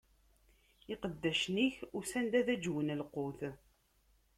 Iqeddacen-ik usan-d ad aǧwen lqut.